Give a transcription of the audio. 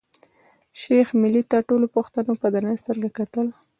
شېخ ملي ته ټولو پښتنو په درنه سترګه کتل.